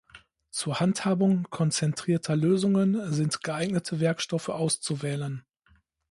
Zur Handhabung konzentrierter Lösungen sind geeignete Werkstoffe auszuwählen.